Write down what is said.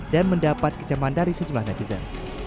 dan mendapat keceman dari sejumlah netizen